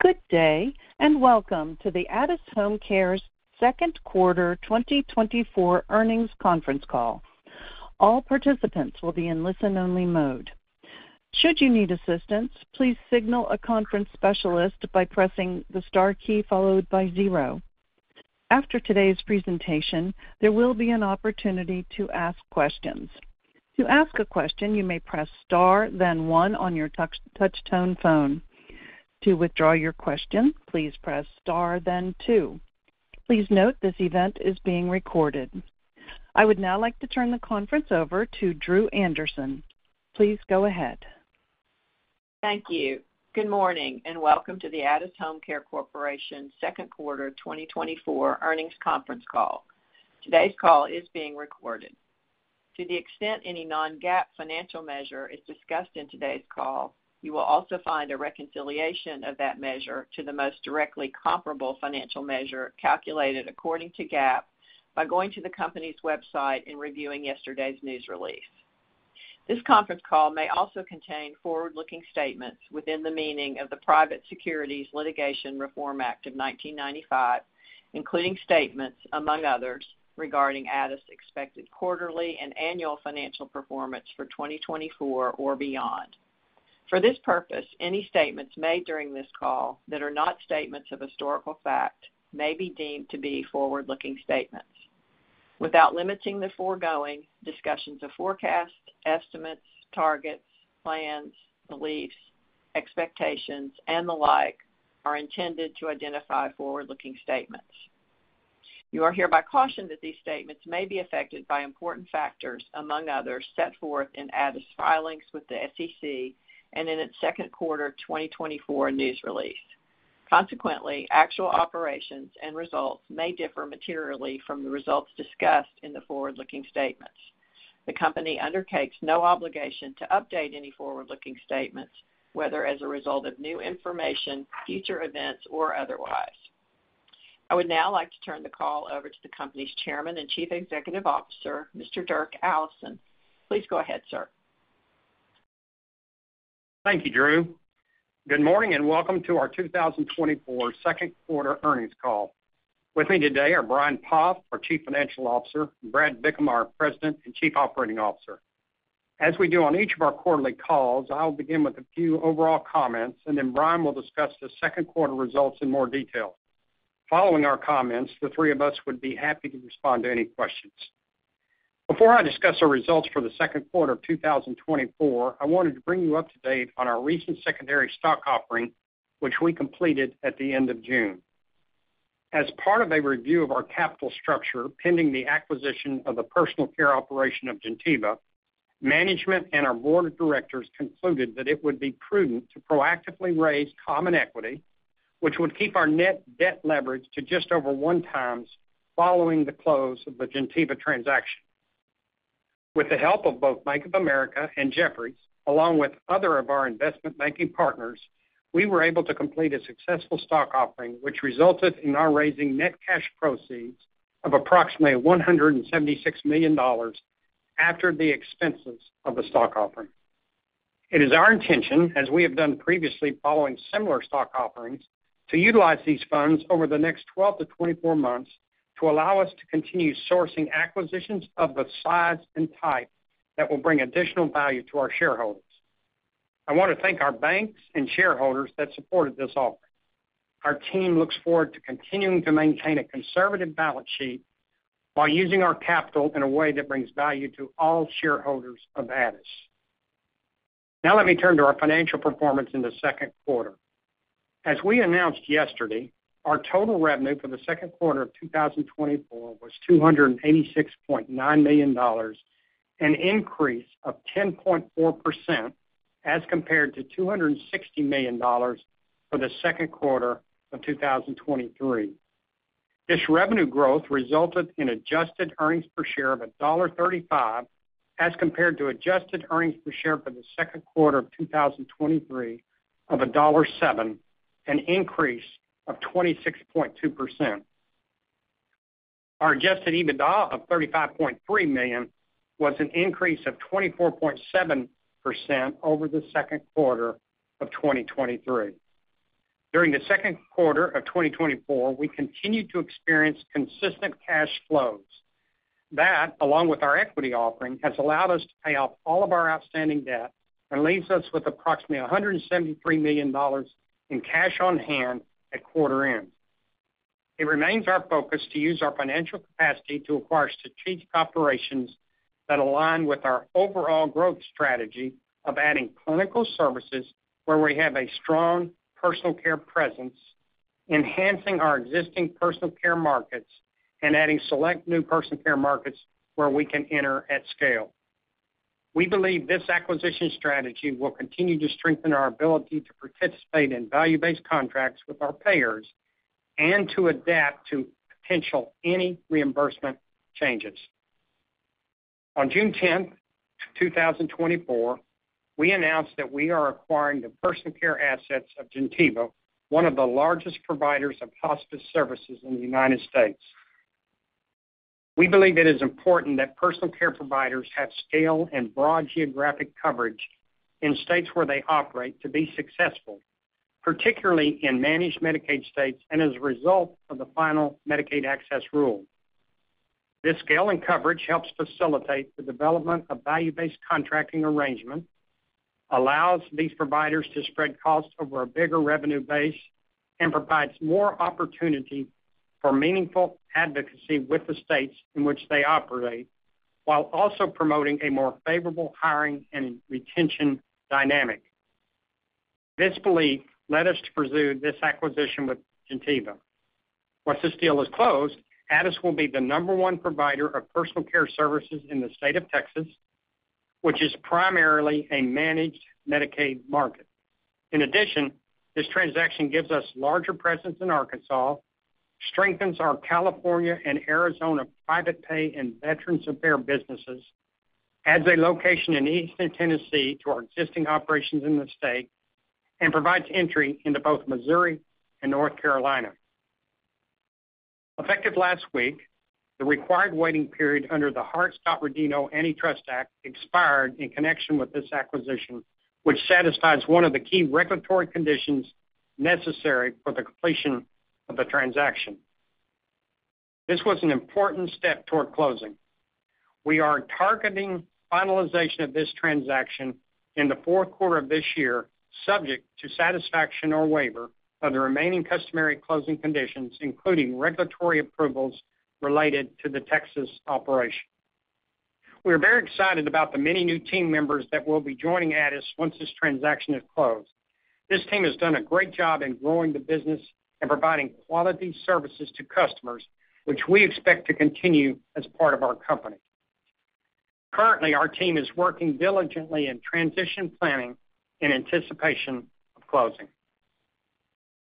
Good day, and welcome to the Addus HomeCare's second quarter 2024 earnings conference call. All participants will be in listen-only mode. Should you need assistance, please signal a conference specialist by pressing the star key followed by zero. After today's presentation, there will be an opportunity to ask questions. To ask a question, you may press star, then one on your touch-tone phone. To withdraw your question, please press star, then two. Please note, this event is being recorded. I would now like to turn the conference over to Drew Anderson. Please go ahead. Thank you. Good morning, and welcome to the Addus HomeCare Corporation second quarter 2024 earnings conference call. Today's call is being recorded. To the extent any non-GAAP financial measure is discussed in today's call, you will also find a reconciliation of that measure to the most directly comparable financial measure calculated according to GAAP by going to the company's website and reviewing yesterday's news release. This conference call may also contain forward-looking statements within the meaning of the Private Securities Litigation Reform Act of 1995, including statements, among others, regarding Addus' expected quarterly and annual financial performance for 2024 or beyond. For this purpose, any statements made during this call that are not statements of historical fact may be deemed to be forward-looking statements. Without limiting the foregoing, discussions of forecasts, estimates, targets, plans, beliefs, expectations, and the like, are intended to identify forward-looking statements. You are hereby cautioned that these statements may be affected by important factors, among others, set forth in Addus' filings with the SEC and in its second quarter 2024 news release. Consequently, actual operations and results may differ materially from the results discussed in the forward-looking statements. The company undertakes no obligation to update any forward-looking statements, whether as a result of new information, future events, or otherwise. I would now like to turn the call over to the company's Chairman and Chief Executive Officer, Mr. Dirk Allison. Please go ahead, sir. Thank you, Drew. Good morning, and welcome to our 2024 second quarter earnings call. With me today are Brian Poff, our Chief Financial Officer, and Brad Bickham, our President and Chief Operating Officer. As we do on each of our quarterly calls, I'll begin with a few overall comments, and then Brian will discuss the second quarter results in more detail. Following our comments, the three of us would be happy to respond to any questions. Before I discuss our results for the second quarter of 2024, I wanted to bring you up to date on our recent secondary stock offering, which we completed at the end of June. As part of a review of our capital structure, pending the acquisition of the personal care operation of Gentiva, management and our board of directors concluded that it would be prudent to proactively raise common equity, which would keep our net debt leverage to just over 1x following the close of the Gentiva transaction. With the help of both Bank of America and Jefferies, along with other of our investment banking partners, we were able to complete a successful stock offering, which resulted in our raising net cash proceeds of approximately $176 million after the expenses of the stock offering. It is our intention, as we have done previously, following similar stock offerings, to utilize these funds over the next 12-24 months to allow us to continue sourcing acquisitions of the size and type that will bring additional value to our shareholders. I want to thank our banks and shareholders that supported this offer. Our team looks forward to continuing to maintain a conservative balance sheet while using our capital in a way that brings value to all shareholders of Addus. Now, let me turn to our financial performance in the second quarter. As we announced yesterday, our total revenue for the second quarter of 2024 was $286.9 million, an increase of 10.4% as compared to $260 million for the second quarter of 2023. This revenue growth resulted in Adjusted earnings per share of $1.35, as compared to Adjusted earnings per share for the second quarter of 2023 of $1.07, an increase of 26.2%. Our adjusted EBITDA of $35.3 million was an increase of 24.7% over the second quarter of 2023. During the second quarter of 2024, we continued to experience consistent cash flows. That, along with our equity offering, has allowed us to pay off all of our outstanding debt and leaves us with approximately $173 million in cash on hand at quarter end. It remains our focus to use our financial capacity to acquire strategic operations that align with our overall growth strategy of adding clinical services where we have a strong personal care presence, enhancing our existing personal care markets, and adding select new personal care markets where we can enter at scale. We believe this acquisition strategy will continue to strengthen our ability to participate in value-based contracts with our payers and to adapt to potential any reimbursement changes. On June 10, 2024, we announced that we are acquiring the personal care assets of Gentiva, one of the largest providers of hospice services in the United States. We believe it is important that personal care providers have scale and broad geographic coverage in states where they operate to be successful, particularly in managed Medicaid states and as a result of the final Medicaid Access Rule. This scale and coverage helps facilitate the development of value-based contracting arrangement, allows these providers to spread costs over a bigger revenue base, and provides more opportunity for meaningful advocacy with the states in which they operate, while also promoting a more favorable hiring and retention dynamic. This belief led us to pursue this acquisition with Gentiva. Once this deal is closed, Addus will be the number one provider of personal care services in the state of Texas, which is primarily a managed Medicaid market. In addition, this transaction gives us larger presence in Arkansas, strengthens our California and Arizona private pay and Veterans Affairs businesses, adds a location in Eastern Tennessee to our existing operations in the state, and provides entry into both Missouri and North Carolina. Effective last week, the required waiting period under the Hart-Scott-Rodino Antitrust Act expired in connection with this acquisition, which satisfies one of the key regulatory conditions necessary for the completion of the transaction. This was an important step toward closing. We are targeting finalization of this transaction in the fourth quarter of this year, subject to satisfaction or waiver of the remaining customary closing conditions, including regulatory approvals related to the Texas operation. We are very excited about the many new team members that will be joining Addus once this transaction is closed. This team has done a great job in growing the business and providing quality services to customers, which we expect to continue as part of our company. Currently, our team is working diligently in transition planning in anticipation of closing.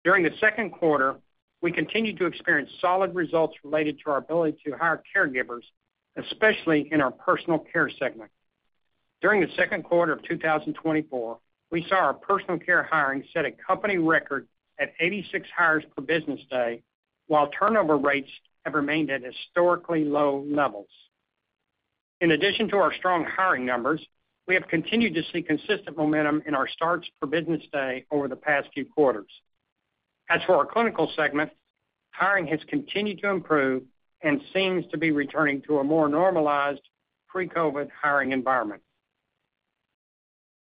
During the second quarter, we continued to experience solid results related to our ability to hire caregivers, especially in our personal care segment. During the second quarter of 2024, we saw our personal care hiring set a company record at 86 hires per business day, while turnover rates have remained at historically low levels. In addition to our strong hiring numbers, we have continued to see consistent momentum in our starts per business day over the past few quarters. As for our clinical segment, hiring has continued to improve and seems to be returning to a more normalized pre-COVID hiring environment.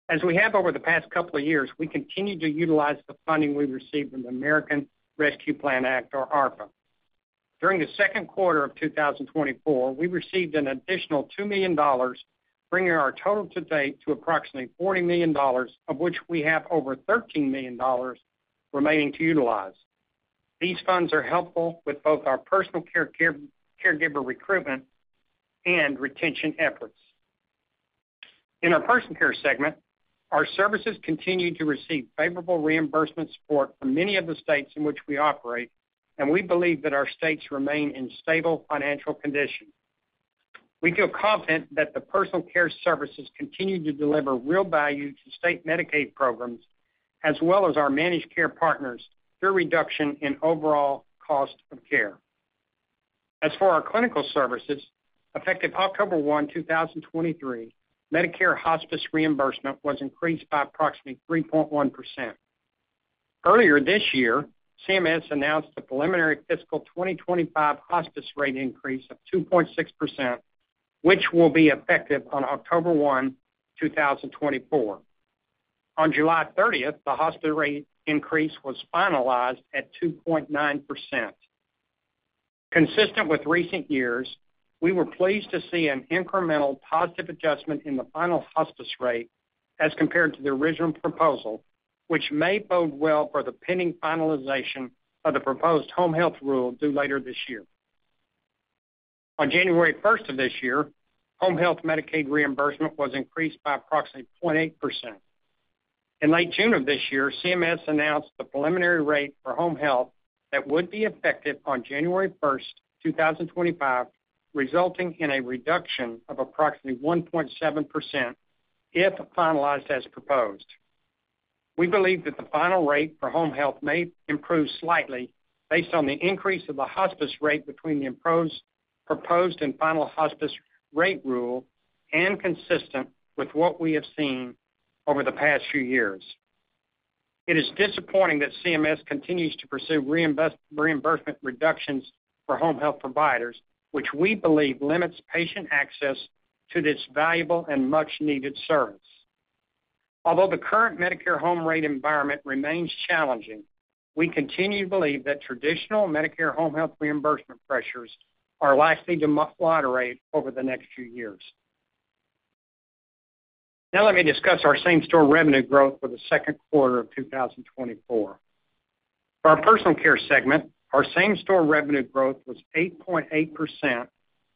As we have over the past couple of years, we continue to utilize the funding we received from the American Rescue Plan Act, or ARPA. During the second quarter of 2024, we received an additional $2 million, bringing our total to date to approximately $40 million, of which we have over $13 million remaining to utilize. These funds are helpful with both our personal care caregiver recruitment and retention efforts. In our personal care segment, our services continue to receive favorable reimbursement support from many of the states in which we operate, and we believe that our states remain in stable financial condition. We feel confident that the personal care services continue to deliver real value to state Medicaid programs, as well as our managed care partners through reduction in overall cost of care. As for our clinical services, effective October 1, 2023, Medicare hospice reimbursement was increased by approximately 3.1%. Earlier this year, CMS announced a preliminary fiscal 2025 hospice rate increase of 2.6%, which will be effective on October 1, 2024. On July 30, the hospice rate increase was finalized at 2.9%. Consistent with recent years, we were pleased to see an incremental positive adjustment in the final hospice rate as compared to the original proposal, which may bode well for the pending finalization of the proposed home health rule due later this year. On January 1 of this year, home health Medicaid reimbursement was increased by approximately 0.8%. In late June of this year, CMS announced the preliminary rate for home health that would be effective on January 1, 2025, resulting in a reduction of approximately 1.7% if finalized as proposed. We believe that the final rate for home health may improve slightly based on the increase of the hospice rate between the proposed and final hospice rate rule, and consistent with what we have seen over the past few years. It is disappointing that CMS continues to pursue reimbursement reductions for home health providers, which we believe limits patient access to this valuable and much-needed service. Although the current Medicare home health rate environment remains challenging, we continue to believe that traditional Medicare home health reimbursement pressures are likely to moderate over the next few years. Now let me discuss our same-store revenue growth for the second quarter of 2024. For our personal care segment, our same-store revenue growth was 8.8%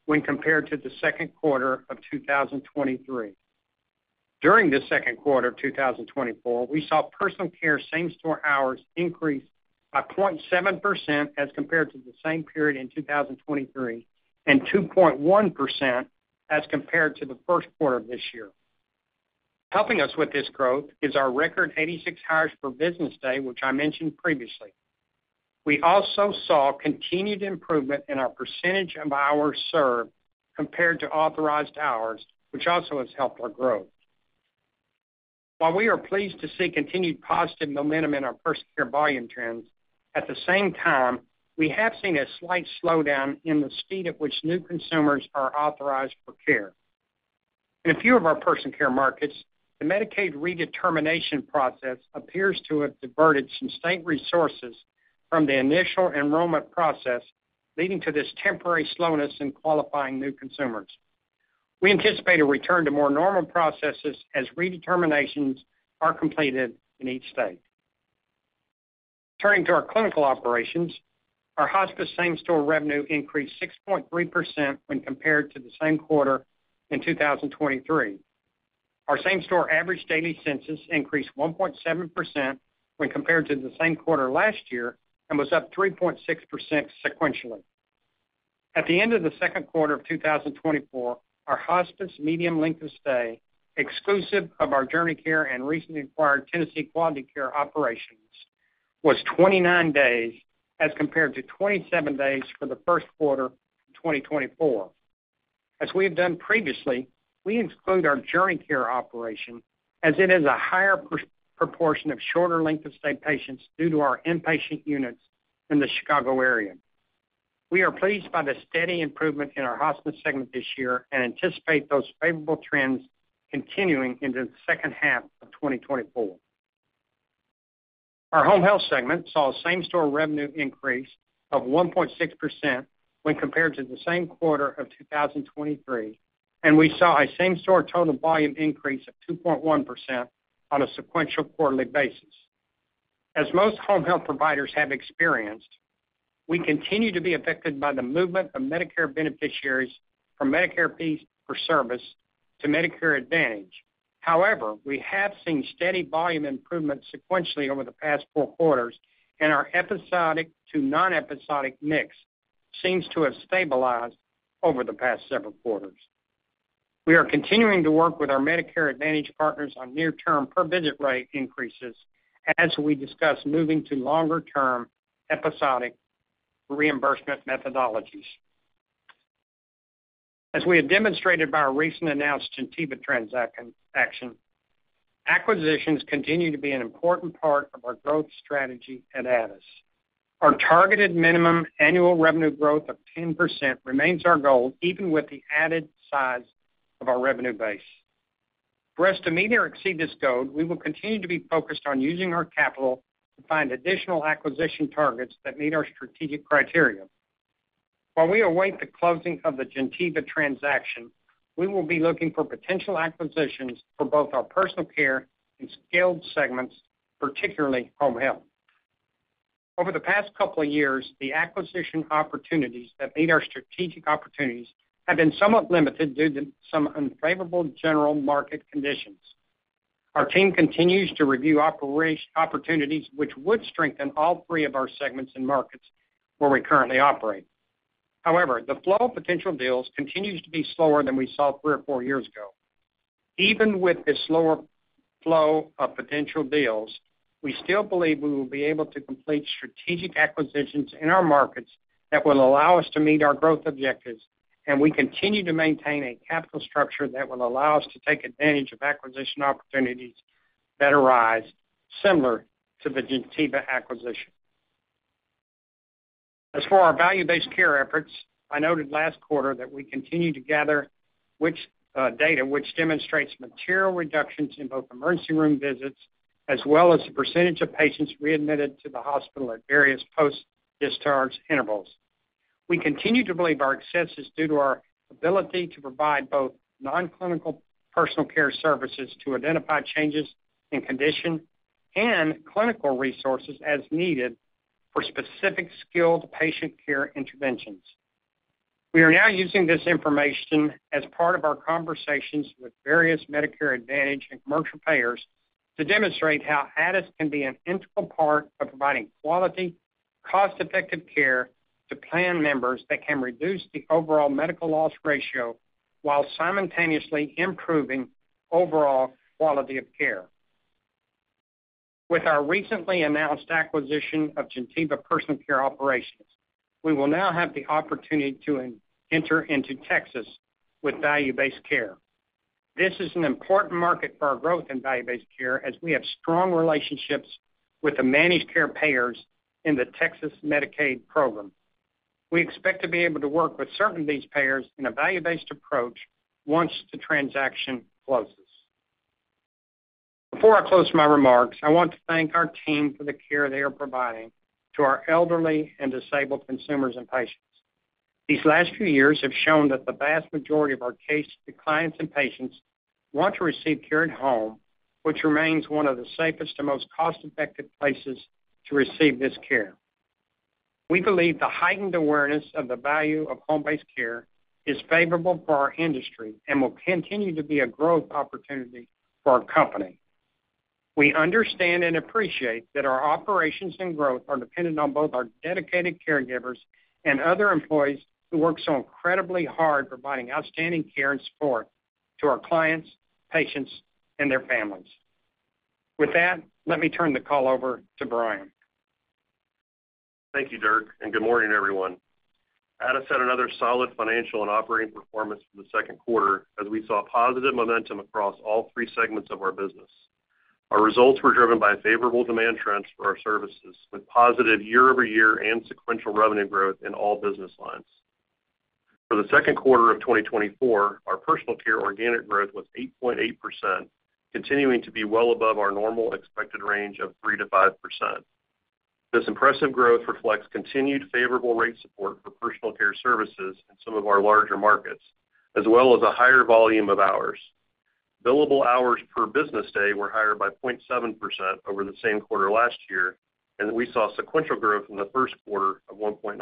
when compared to the second quarter of 2023. During the second quarter of 2024, we saw personal care same-store hours increase by 0.7% as compared to the same period in 2023, and 2.1% as compared to the first quarter of this year.... Helping us with this growth is our record 86 hires per business day, which I mentioned previously. We also saw continued improvement in our percentage of hours served compared to authorized hours, which also has helped our growth. While we are pleased to see continued positive momentum in our personal care volume trends, at the same time, we have seen a slight slowdown in the speed at which new consumers are authorized for care. In a few of our personal care markets, the Medicaid redetermination process appears to have diverted some state resources from the initial enrollment process, leading to this temporary slowness in qualifying new consumers. We anticipate a return to more normal processes as redeterminations are completed in each state. Turning to our clinical operations, our hospice same-store revenue increased 6.3% when compared to the same quarter in 2023. Our same-store average daily census increased 1.7% when compared to the same quarter last year and was up 3.6% sequentially. At the end of the second quarter of 2024, our hospice median length of stay, exclusive of our JourneyCare and recently acquired Tennessee Quality Care operations, was 29 days, as compared to 27 days for the first quarter of 2024. As we have done previously, we exclude our JourneyCare operation as it is a higher proportion of shorter length of stay patients due to our inpatient units in the Chicago area. We are pleased by the steady improvement in our hospice segment this year and anticipate those favorable trends continuing into the second half of 2024. Our home health segment saw a same-store revenue increase of 1.6% when compared to the same quarter of 2023, and we saw a same-store total volume increase of 2.1% on a sequential quarterly basis. As most home health providers have experienced, we continue to be affected by the movement of Medicare beneficiaries from Medicare fee for service to Medicare Advantage. However, we have seen steady volume improvement sequentially over the past four quarters, and our episodic to non-episodic mix seems to have stabilized over the past several quarters. We are continuing to work with our Medicare Advantage partners on near-term per visit rate increases as we discuss moving to longer-term episodic reimbursement methodologies. As we have demonstrated by our recent announced Gentiva transaction, acquisitions continue to be an important part of our growth strategy at Addus. Our targeted minimum annual revenue growth of 10% remains our goal, even with the added size of our revenue base. For us to meet or exceed this goal, we will continue to be focused on using our capital to find additional acquisition targets that meet our strategic criteria. While we await the closing of the Gentiva transaction, we will be looking for potential acquisitions for both our personal care and skilled segments, particularly home health. Over the past couple of years, the acquisition opportunities that meet our strategic opportunities have been somewhat limited due to some unfavorable general market conditions. Our team continues to review opportunities which would strengthen all three of our segments and markets where we currently operate. However, the flow of potential deals continues to be slower than we saw three or four years ago. Even with the slower flow of potential deals, we still believe we will be able to complete strategic acquisitions in our markets that will allow us to meet our growth objectives, and we continue to maintain a capital structure that will allow us to take advantage of acquisition opportunities that arise, similar to the Gentiva acquisition. As for our value-based care efforts, I noted last quarter that we continue to gather which, data, which demonstrates material reductions in both emergency room visits, as well as the percentage of patients readmitted to the hospital at various post-discharge intervals. We continue to believe our success is due to our ability to provide both nonclinical personal care services to identify changes in condition and clinical resources as needed for specific skilled patient care interventions. We are now using this information as part of our conversations with various Medicare Advantage and commercial payers to demonstrate how Addus can be an integral part of providing quality, cost-effective care to plan members that can reduce the overall medical loss ratio while simultaneously improving overall quality of care. With our recently announced acquisition of Gentiva personal care operations, we will now have the opportunity to enter into Texas with value-based care. This is an important market for our growth in value-based care, as we have strong relationships with the managed care payers in the Texas Medicaid program. We expect to be able to work with certain of these payers in a value-based approach once the transaction closes. Before I close my remarks, I want to thank our team for the care they are providing to our elderly and disabled consumers and patients. These last few years have shown that the vast majority of our clients and patients want to receive care at home, which remains one of the safest and most cost-effective places to receive this care. We believe the heightened awareness of the value of home-based care is favorable for our industry and will continue to be a growth opportunity for our company.... We understand and appreciate that our operations and growth are dependent on both our dedicated caregivers and other employees who work so incredibly hard providing outstanding care and support to our clients, patients, and their families. With that, let me turn the call over to Brian. Thank you, Dirk, and good morning, everyone. Addus had another solid financial and operating performance for the second quarter as we saw positive momentum across all three segments of our business. Our results were driven by favorable demand trends for our services, with positive year-over-year and sequential revenue growth in all business lines. For the second quarter of 2024, our personal care organic growth was 8.8%, continuing to be well above our normal expected range of 3%-5%. This impressive growth reflects continued favorable rate support for personal care services in some of our larger markets, as well as a higher volume of hours. Billable hours per business day were higher by 0.7% over the same quarter last year, and we saw sequential growth in the first quarter of 1.9%.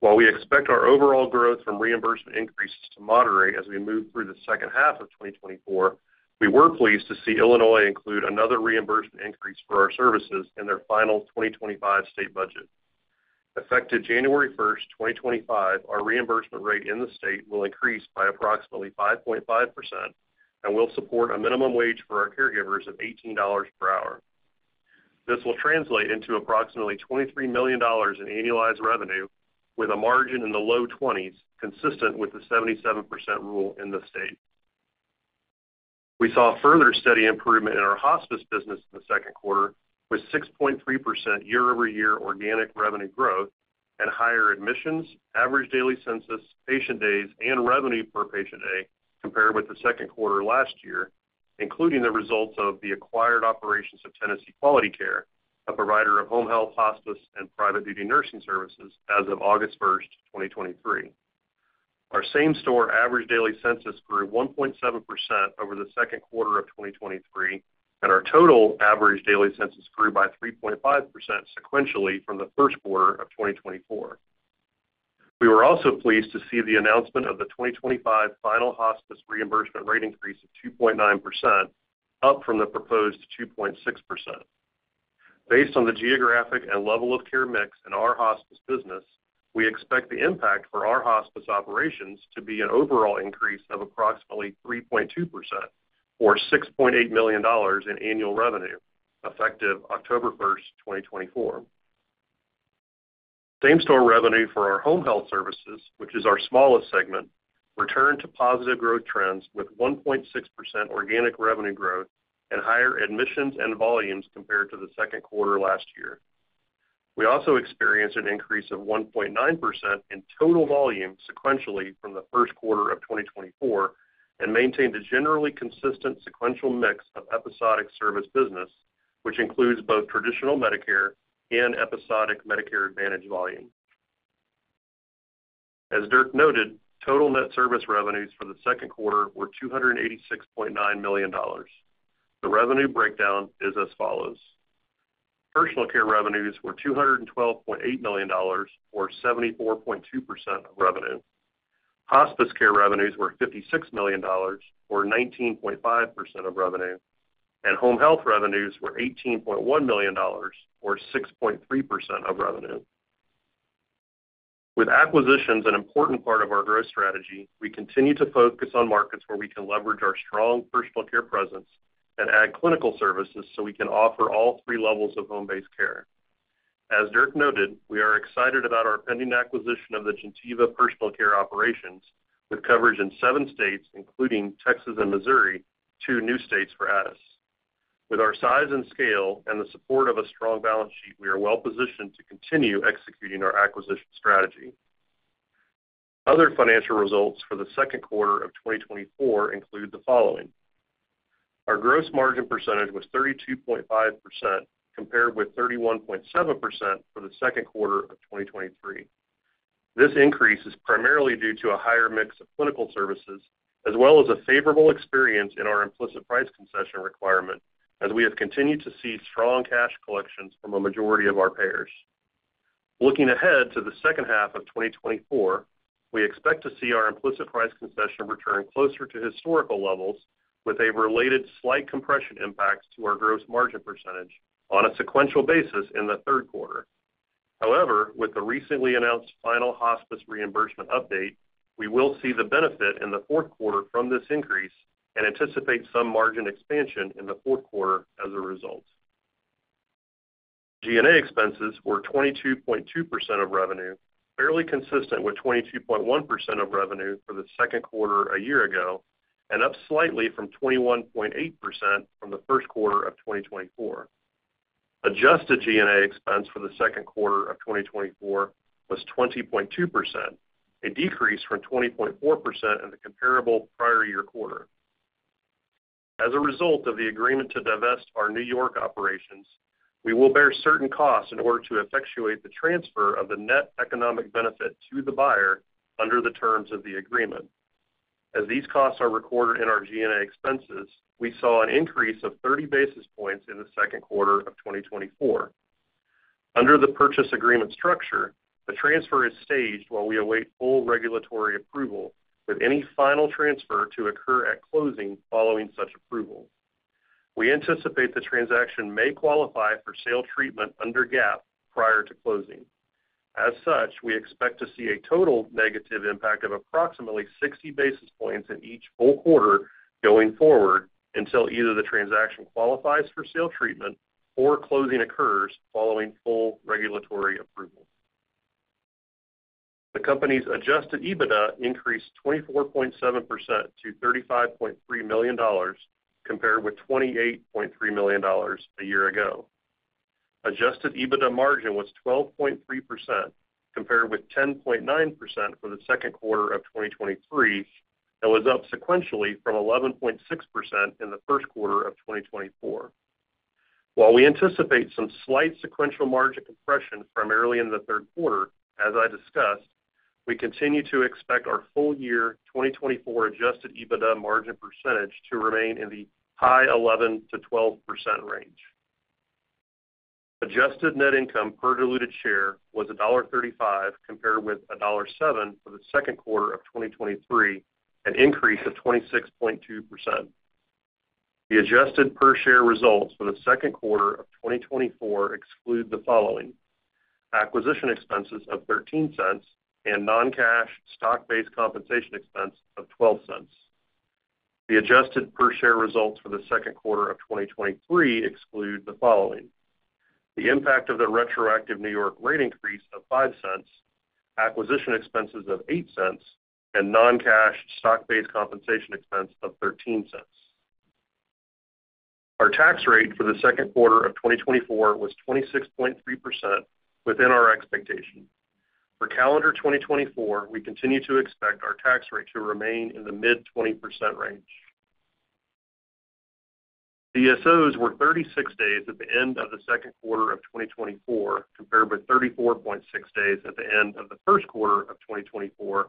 While we expect our overall growth from reimbursement increases to moderate as we move through the second half of 2024, we were pleased to see Illinois include another reimbursement increase for our services in their final 2025 state budget. Effective January 1, 2025, our reimbursement rate in the state will increase by approximately 5.5% and will support a minimum wage for our caregivers of $18 per hour. This will translate into approximately $23 million in annualized revenue with a margin in the low 20s, consistent with the 77% rule in the state. We saw further steady improvement in our hospice business in the second quarter, with 6.3% year-over-year organic revenue growth and higher admissions, average daily census, patient days, and revenue per patient day compared with the second quarter last year, including the results of the acquired operations of Tennessee Quality Care, a provider of home health, hospice, and private duty nursing services as of August 1, 2023. Our same-store average daily census grew 1.7% over the second quarter of 2023, and our total average daily census grew by 3.5% sequentially from the first quarter of 2024. We were also pleased to see the announcement of the 2025 final hospice reimbursement rate increase of 2.9%, up from the proposed 2.6%. Based on the geographic and level of care mix in our hospice business, we expect the impact for our hospice operations to be an overall increase of approximately 3.2% or $6.8 million in annual revenue, effective October 1, 2024. Same-store revenue for our home health services, which is our smallest segment, returned to positive growth trends with 1.6% organic revenue growth and higher admissions and volumes compared to the second quarter last year. We also experienced an increase of 1.9% in total volume sequentially from the first quarter of 2024 and maintained a generally consistent sequential mix of episodic service business, which includes both traditional Medicare and episodic Medicare Advantage volume. As Dirk noted, total net service revenues for the second quarter were $286.9 million. The revenue breakdown is as follows: personal care revenues were $212.8 million, or 74.2% of revenue. Hospice care revenues were $56 million, or 19.5% of revenue, and home health revenues were $18.1 million, or 6.3% of revenue. With acquisitions an important part of our growth strategy, we continue to focus on markets where we can leverage our strong personal care presence and add clinical services so we can offer all three levels of home-based care. As Dirk noted, we are excited about our pending acquisition of the Gentiva personal care operations, with coverage in seven states, including Texas and Missouri, two new states for Addus. With our size and scale and the support of a strong balance sheet, we are well positioned to continue executing our acquisition strategy. Other financial results for the second quarter of 2024 include the following: Our gross margin percentage was 32.5%, compared with 31.7% for the second quarter of 2023. This increase is primarily due to a higher mix of clinical services, as well as a favorable experience in our implicit price concession requirement, as we have continued to see strong cash collections from a majority of our payers. Looking ahead to the second half of 2024, we expect to see our implicit price concession return closer to historical levels, with a related slight compression impacts to our gross margin percentage on a sequential basis in the third quarter. However, with the recently announced final hospice reimbursement update, we will see the benefit in the fourth quarter from this increase and anticipate some margin expansion in the fourth quarter as a result. G&A expenses were 22.2% of revenue, fairly consistent with 22.1% of revenue for the second quarter a year ago, and up slightly from 21.8% from the first quarter of 2024. Adjusted G&A expense for the second quarter of 2024 was 20.2%, a decrease from 20.4% in the comparable prior year quarter. As a result of the agreement to divest our New York operations, we will bear certain costs in order to effectuate the transfer of the net economic benefit to the buyer under the terms of the agreement. As these costs are recorded in our G&A expenses, we saw an increase of 30 basis points in the second quarter of 2024. Under the purchase agreement structure, the transfer is staged while we await full regulatory approval, with any final transfer to occur at closing following such approval. We anticipate the transaction may qualify for sale treatment under GAAP prior to closing. As such, we expect to see a total negative impact of approximately 60 basis points in each full quarter going forward, until either the transaction qualifies for sale treatment or closing occurs following full regulatory approval. The company's adjusted EBITDA increased 24.7% to $35.3 million, compared with $28.3 million a year ago. Adjusted EBITDA margin was 12.3%, compared with 10.9% for the second quarter of 2023, and was up sequentially from 11.6% in the first quarter of 2024. While we anticipate some slight sequential margin compression primarily in the third quarter, as I discussed, we continue to expect our full year 2024 adjusted EBITDA margin percentage to remain in the high 11%-12% range. Adjusted net income per diluted share was $1.35, compared with $1.07 for the second quarter of 2023, an increase of 26.2%. The adjusted per share results for the second quarter of 2024 exclude the following: acquisition expenses of $0.13 and non-cash stock-based compensation expense of $0.12. The adjusted per share results for the second quarter of 2023 exclude the following: the impact of the retroactive New York rate increase of $0.05, acquisition expenses of $0.08, and non-cash stock-based compensation expense of $0.13. Our tax rate for the second quarter of 2024 was 26.3%, within our expectation. For calendar 2024, we continue to expect our tax rate to remain in the mid-20% range. DSOs were 36 days at the end of the second quarter of 2024, compared with 34.6 days at the end of the first quarter of 2024,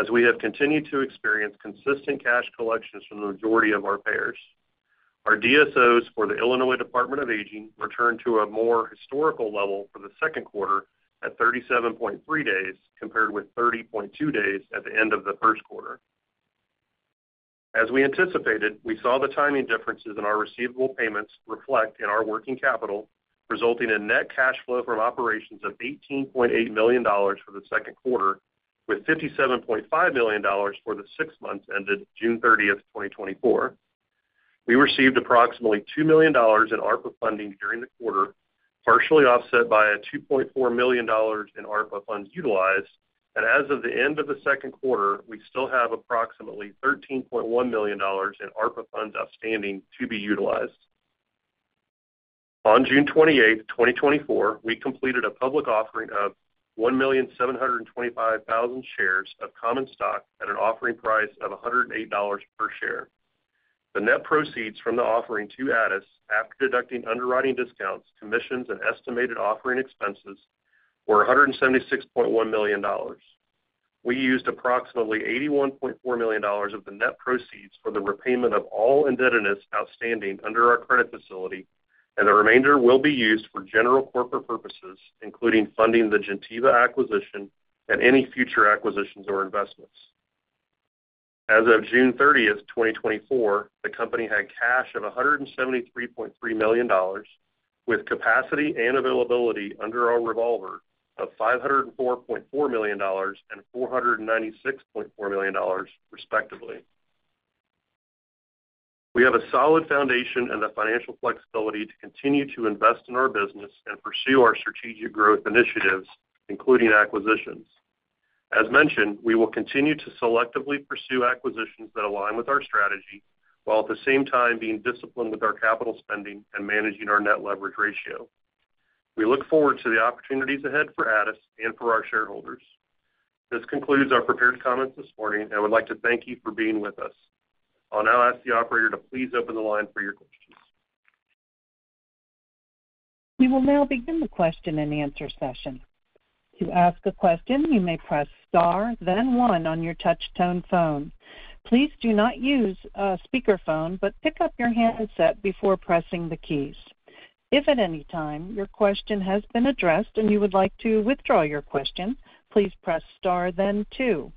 as we have continued to experience consistent cash collections from the majority of our payers. Our DSOs for the Illinois Department of Aging returned to a more historical level for the second quarter at 37.3 days, compared with 30.2 days at the end of the first quarter. As we anticipated, we saw the timing differences in our receivable payments reflect in our working capital, resulting in net cash flow from operations of $18.8 million for the second quarter, with $57.5 million for the six months ended June 30, 2024. We received approximately $2 million in ARPA funding during the quarter, partially offset by $2.4 million in ARPA funds utilized, and as of the end of the second quarter, we still have approximately $13.1 million in ARPA funds outstanding to be utilized. On June 28, 2024, we completed a public offering of 1,725,000 shares of common stock at an offering price of $108 per share. The net proceeds from the offering to Addus, after deducting underwriting discounts, commissions, and estimated offering expenses, were $176.1 million. We used approximately $81.4 million of the net proceeds for the repayment of all indebtedness outstanding under our credit facility, and the remainder will be used for general corporate purposes, including funding the Gentiva acquisition and any future acquisitions or investments. As of June 30, 2024, the company had cash of $173.3 million, with capacity and availability under our revolver of $504.4 million and $496.4 million, respectively. We have a solid foundation and the financial flexibility to continue to invest in our business and pursue our strategic growth initiatives, including acquisitions. As mentioned, we will continue to selectively pursue acquisitions that align with our strategy, while at the same time being disciplined with our capital spending and managing our net leverage ratio. We look forward to the opportunities ahead for Addus and for our shareholders. This concludes our prepared comments this morning, and I would like to thank you for being with us. I'll now ask the operator to please open the line for your questions. We will now begin the question-and-answer session. To ask a question, you may press star, then one on your touchtone phone. Please do not use a speakerphone, but pick up your handset before pressing the keys. If at any time your question has been addressed and you would like to withdraw your question, please press star, then two.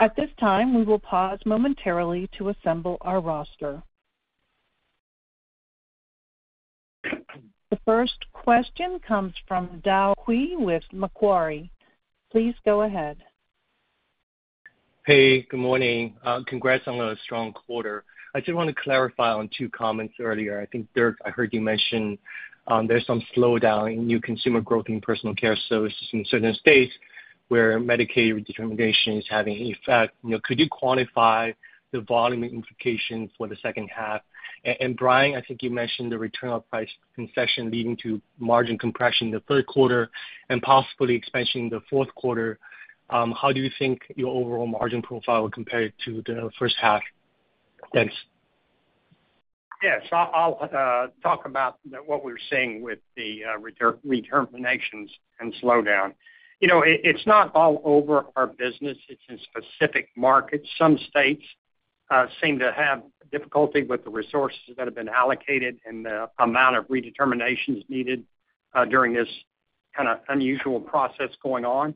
At this time, we will pause momentarily to assemble our roster. The first question comes from Tao Qiu with Macquarie. Please go ahead. Hey, good morning. Congrats on a strong quarter. I just want to clarify on two comments earlier. I think, Dirk, I heard you mention there's some slowdown in new consumer growth in personal care services in certain states where Medicaid redetermination is having an effect. You know, could you quantify the volume implications for the second half? And Brian, I think you mentioned the return on price concession leading to margin compression in the third quarter and possibly expansion in the fourth quarter. How do you think your overall margin profile will compare to the first half? Thanks. Yes, I'll talk about what we're seeing with the redeterminations and slowdown. You know, it's not all over our business. It's in specific markets. Some states-... seem to have difficulty with the resources that have been allocated and the amount of redeterminations needed during this kind of unusual process going on.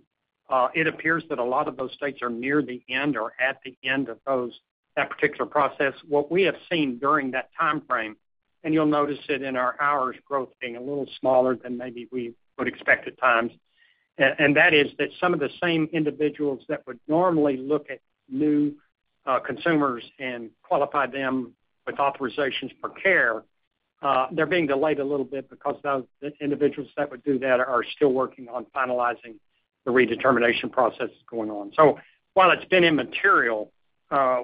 It appears that a lot of those states are near the end or at the end of that particular process. What we have seen during that time frame, and you'll notice it in our hours growth being a little smaller than maybe we would expect at times, and that is that some of the same individuals that would normally look at new consumers and qualify them with authorizations for care, they're being delayed a little bit because those individuals that would do that are still working on finalizing the redetermination process that's going on. So while it's been immaterial,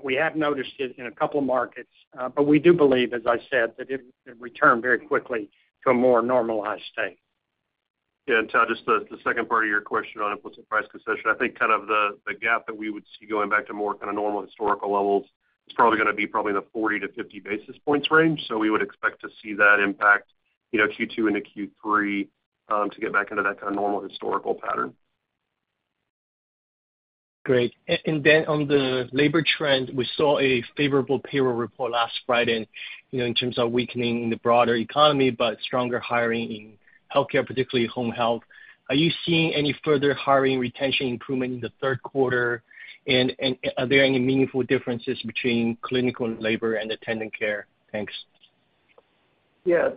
we have noticed it in a couple of markets, but we do believe, as I said, that it will return very quickly to a more normalized state. Yeah, and Todd, just the second part of your question on implicit price concession. I think kind of the gap that we would see going back to more kind of normal historical levels is probably going to be in the 40-50 basis points range. So we would expect to see that impact, you know, Q2 into Q3, to get back into that kind of normal historical pattern. Great. And then on the labor trend, we saw a favorable payroll report last Friday, you know, in terms of weakening the broader economy, but stronger hiring in healthcare, particularly home health. Are you seeing any further hiring retention improvement in the third quarter? And are there any meaningful differences between clinical and labor and attendant care? Thanks. Yeah,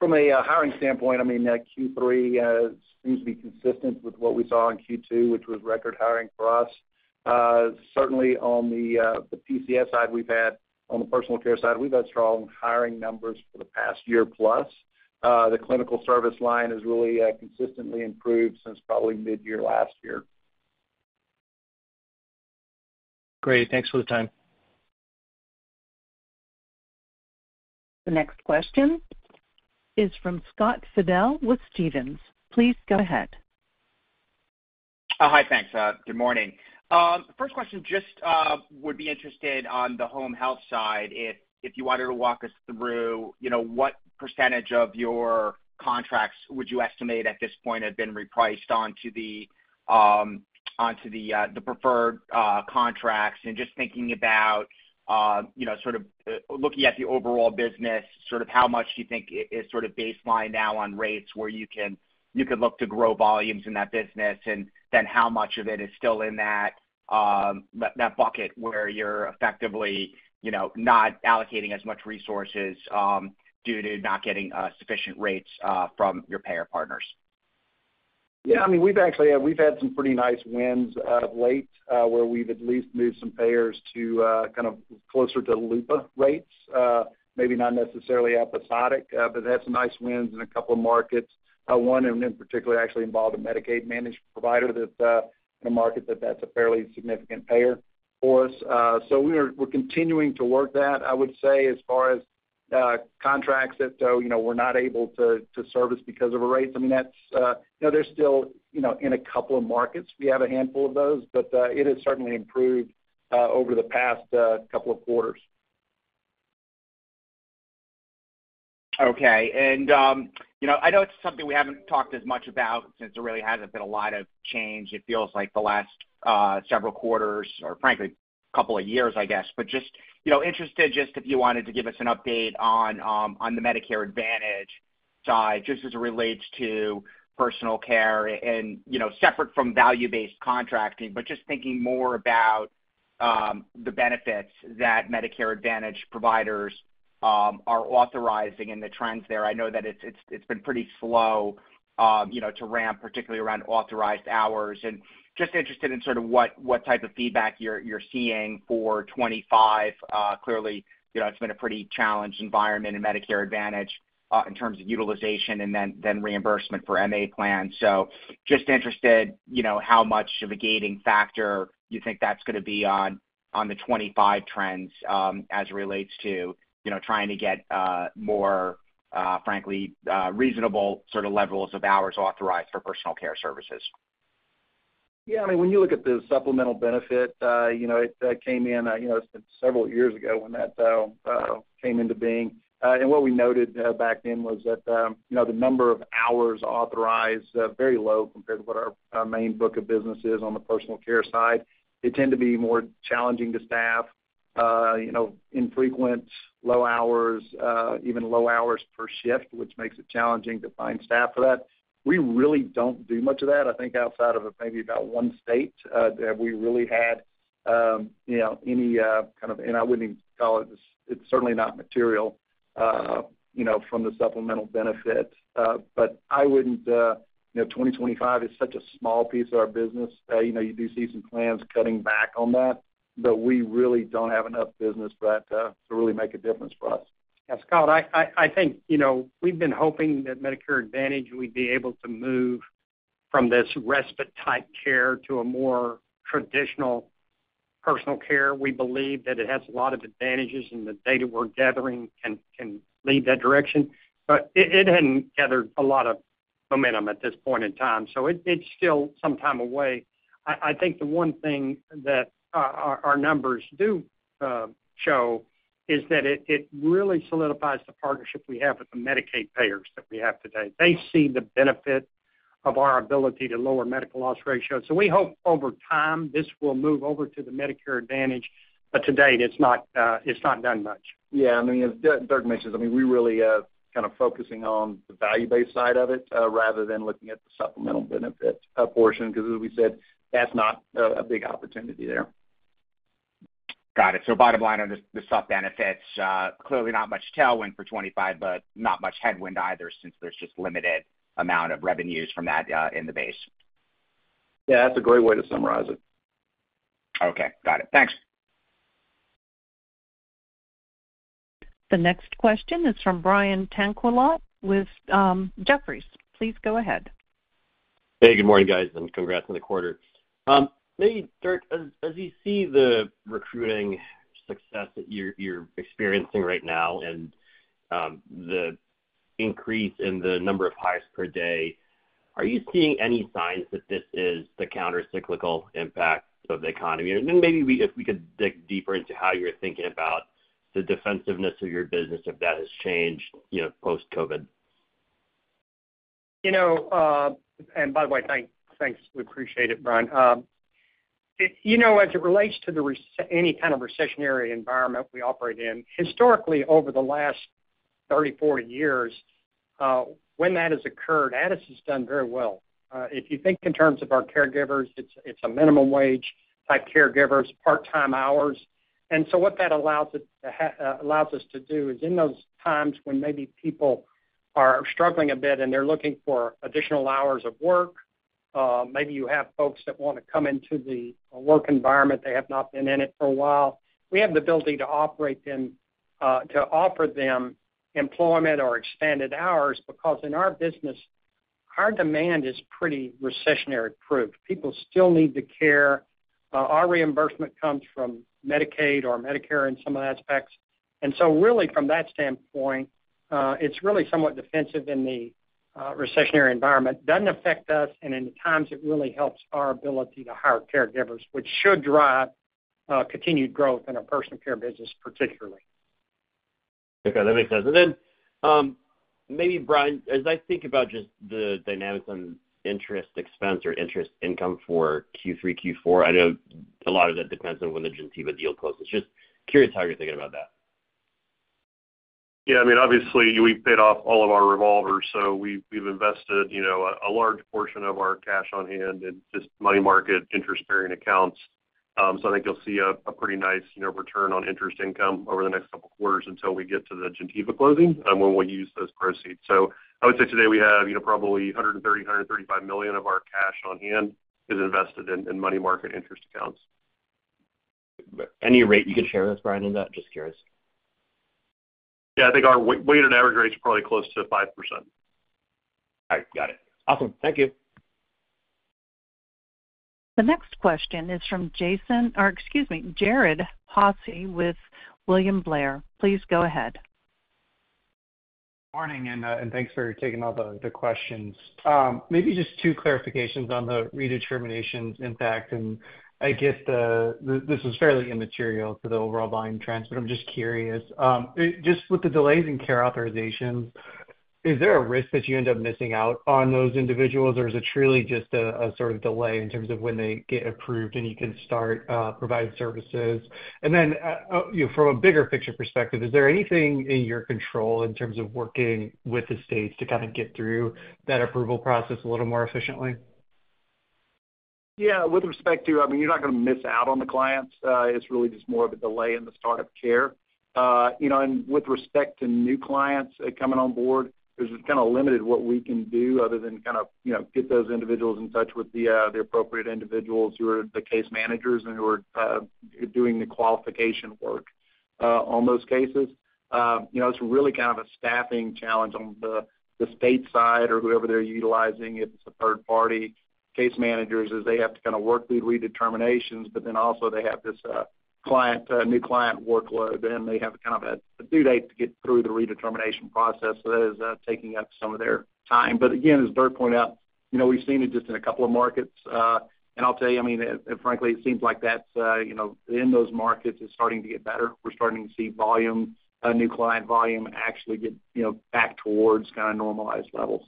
from a hiring standpoint, I mean, Q3 seems to be consistent with what we saw in Q2, which was record hiring for us. Certainly on the PCS side, we've had, on the personal care side, we've had strong hiring numbers for the past year plus. The clinical service line has really consistently improved since probably mid-year last year. Great. Thanks for the time. The next question is from Scott Fidel with Stephens. Please go ahead. Hi, thanks. Good morning. First question, just, would be interested on the home health side, if, if you wanted to walk us through, you know, what percentage of your contracts would you estimate at this point have been repriced onto the, onto the, the preferred, contracts? And just thinking about, you know, sort of, looking at the overall business, sort of how much do you think is sort of baseline now on rates where you can, you could look to grow volumes in that business, and then how much of it is still in that, that, that bucket where you're effectively, you know, not allocating as much resources, due to not getting, sufficient rates, from your payer partners? Yeah, I mean, we've actually, we've had some pretty nice wins of late where we've at least moved some payers to kind of closer to LUPA rates. Maybe not necessarily episodic, but we've had some nice wins in a couple of markets. One of them in particular actually involved a Medicaid managed provider that in a market that's a fairly significant payer for us. So we're, we're continuing to work that. I would say as far as contracts that you know we're not able to to service because of a rate, I mean, that's you know there's still you know in a couple of markets, we have a handful of those, but it has certainly improved over the past couple of quarters. Okay. And, you know, I know it's something we haven't talked as much about since there really hasn't been a lot of change, it feels like the last, several quarters, or frankly, couple of years, I guess. But just, you know, interested just if you wanted to give us an update on, on the Medicare Advantage side, just as it relates to personal care and, you know, separate from value-based contracting, but just thinking more about, the benefits that Medicare Advantage providers, are authorizing and the trends there. I know that it's, it's been pretty slow, you know, to ramp, particularly around authorized hours. And just interested in sort of what type of feedback you're seeing for 2025. Clearly, you know, it's been a pretty challenged environment in Medicare Advantage in terms of utilization and then reimbursement for MA plans. So just interested, you know, how much of a gating factor you think that's going to be on the 25 trends as it relates to, you know, trying to get more frankly reasonable sort of levels of hours authorized for personal care services. Yeah, I mean, when you look at the supplemental benefit, you know, it came in, you know, several years ago when that came into being. And what we noted back then was that, you know, the number of hours authorized very low compared to what our main book of business is on the personal care side. They tend to be more challenging to staff, you know, infrequent, low hours, even low hours per shift, which makes it challenging to find staff for that. We really don't do much of that. I think outside of maybe about one state have we really had, you know, any kind of... And I wouldn't even call it, it's certainly not material, you know, from the supplemental benefit. But I wouldn't, you know, 2025 is such a small piece of our business. You know, you do see some plans cutting back on that, but we really don't have enough business for that to really make a difference for us. Yeah, Scott, I think, you know, we've been hoping that Medicare Advantage would be able to move from this respite-type care to a more traditional personal care. We believe that it has a lot of advantages, and the data we're gathering can lead that direction, but it hadn't gathered a lot of momentum at this point in time, so it's still some time away. I think the one thing that our numbers do show is that it really solidifies the partnership we have with the Medicaid payers that we have today. They see the benefit of our ability to lower medical loss ratio. So we hope over time, this will move over to the Medicare Advantage, but to date, it's not, it's not done much. Yeah, I mean, as Dirk mentions, I mean, we really kind of focusing on the value-based side of it, rather than looking at the supplemental benefit portion, because as we said, that's not a big opportunity there. Got it. So bottom line on the supp benefits, clearly not much tailwind for 2025, but not much headwind either, since there's just limited amount of revenues from that, in the base. Yeah, that's a great way to summarize it. Okay, got it. Thanks! The next question is from Brian Tanquilut with Jefferies. Please go ahead. Hey, good morning, guys, and congrats on the quarter. Maybe Dirk, as you see the recruiting success that you're experiencing right now and the increase in the number of hires per day, are you seeing any signs that this is the countercyclical impact of the economy? And then maybe we—if we could dig deeper into how you're thinking about the defensiveness of your business, if that has changed, you know, post-COVID. You know, and by the way, thanks. We appreciate it, Brian. It, you know, as it relates to any kind of recessionary environment we operate in, historically, over the last 30, 40 years, when that has occurred, Addus has done very well. If you think in terms of our caregivers, it's a minimum wage-type caregivers, part-time hours. And so what that allows, allows us to do, is in those times when maybe people are struggling a bit and they're looking for additional hours of work, maybe you have folks that wanna come into the work environment, they have not been in it for a while. We have the ability to operate them, to offer them employment or expanded hours, because in our business, our demand is pretty recessionary-proof. People still need the care. Our reimbursement comes from Medicaid or Medicare in some of the aspects. And so really, from that standpoint, it's really somewhat defensive in the recessionary environment. Doesn't affect us, and in times, it really helps our ability to hire caregivers, which should drive continued growth in our personal care business, particularly. Okay, that makes sense. And then, maybe, Brian, as I think about just the dynamics on interest expense or interest income for Q3, Q4, I know a lot of that depends on when the Gentiva deal closes. Just curious how you're thinking about that. Yeah, I mean, obviously, we've paid off all of our revolvers, so we've invested, you know, a large portion of our cash on hand in just money market, interest-bearing accounts. So I think you'll see a pretty nice, you know, return on interest income over the next couple of quarters until we get to the Gentiva closing, and when we'll use those proceeds. So I would say today we have, you know, probably $135 million of our cash on hand is invested in money market interest accounts. Any rate you can share with us, Brian, on that? Just curious. Yeah, I think our weighted average rate is probably close to 5%. All right, got it. Awesome. Thank you. The next question is from Jason, or excuse me, Jared Haase with William Blair. Please go ahead. Morning, and thanks for taking all the questions. Maybe just two clarifications on the redeterminations impact, and I guess, this is fairly immaterial to the overall volume trends, but I'm just curious. Just with the delays in care authorizations, is there a risk that you end up missing out on those individuals, or is it truly just a sort of delay in terms of when they get approved and you can start providing services? And then, you know, from a bigger picture perspective, is there anything in your control in terms of working with the states to kind of get through that approval process a little more efficiently? Yeah, with respect to, I mean, you're not gonna miss out on the clients. It's really just more of a delay in the startup care. You know, and with respect to new clients coming on board, there's kind of limited what we can do other than kind of, you know, get those individuals in touch with the appropriate individuals who are the case managers and who are doing the qualification work on those cases. You know, it's really kind of a staffing challenge on the state side or whoever they're utilizing. If it's a third-party case managers, is they have to kind of work through redeterminations, but then also they have this client, new client workload, and they have kind of a due date to get through the redetermination process. So that is, taking up some of their time. But again, as Dirk pointed out, you know, we've seen it just in a couple of markets, and I'll tell you, I mean, and, and frankly, it seems like that's, you know, in those markets, it's starting to get better. We're starting to see volume, new client volume actually get, you know, back towards kinda normalized levels.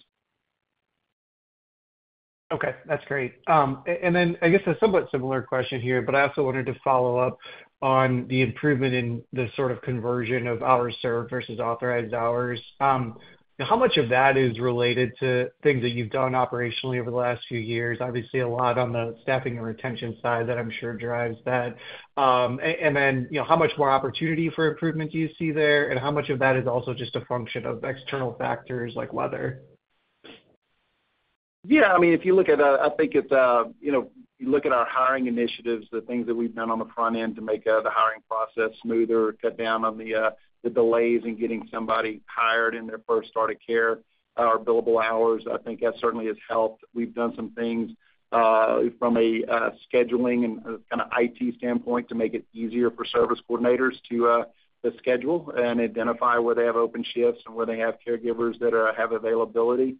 Okay, that's great. And then I guess a somewhat similar question here, but I also wanted to follow up on the improvement in the sort of conversion of hours served versus authorized hours. How much of that is related to things that you've done operationally over the last few years? Obviously, a lot on the staffing and retention side that I'm sure drives that. And then, you know, how much more opportunity for improvement do you see there? And how much of that is also just a function of external factors like weather? Yeah, I mean, if you look at, I think it's, you know, you look at our hiring initiatives, the things that we've done on the front end to make, the hiring process smoother, cut down on the, the delays in getting somebody hired in their first start of care, our billable hours, I think that certainly has helped. We've done some things, from a, scheduling and, kinda IT standpoint to make it easier for service coordinators to, to schedule and identify where they have open shifts and where they have caregivers that, have availability.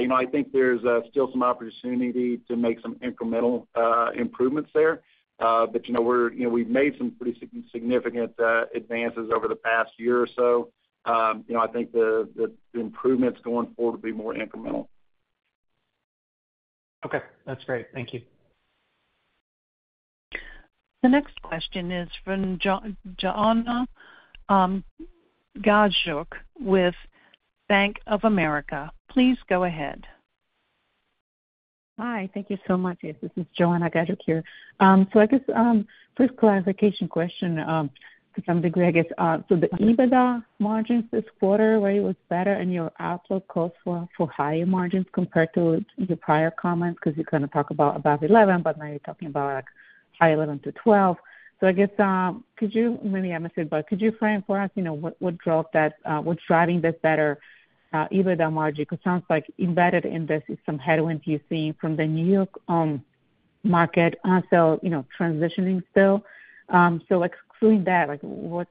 You know, I think there's, still some opportunity to make some incremental, improvements there. But you know, we're, you know, we've made some pretty significant, advances over the past year or so. You know, I think the improvements going forward will be more incremental. Okay, that's great. Thank you.... The next question is from Joanna Gajuk with Bank of America. Please go ahead. Hi, thank you so much. Yes, this is Joanna Gajuk here. So I guess, first clarification question, to some degree, I guess, so the EBITDA margins this quarter, where it was better and your outlook calls for, for higher margins compared to the prior comments, because you kind of talk about, about 11, but now you're talking about like high 11 to 12. So I guess, could you, maybe I missed it, but could you frame for us, you know, what, what drove that? What's driving this better, EBITDA margin? It sounds like embedded in this is some headwinds you're seeing from the New York market. So, you know, transitioning still. So excluding that, like, what's,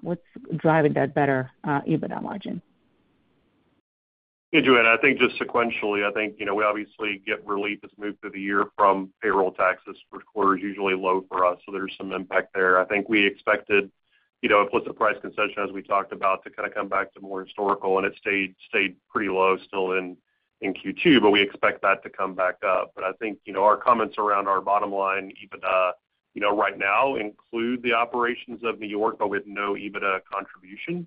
what's driving that better, EBITDA margin? Hey, Joanna, I think just sequentially, I think, you know, we obviously get relief as we move through the year from payroll taxes. First quarter is usually low for us, so there's some impact there. I think we expected, you know, implicit price concession, as we talked about, to kind of come back to more historical, and it stayed pretty low still in Q2, but we expect that to come back up. But I think, you know, our comments around our bottom line, EBITDA, you know, right now include the operations of New York, but with no EBITDA contribution from